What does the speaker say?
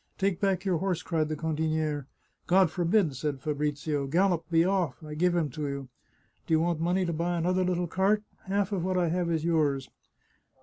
" Take back your horse," cried the cantiniere. " God forbid !" said Fabrizio. " Gallop ! be off ! I give him to you. Do you want money to buy another little cart? Half of what I have is yours."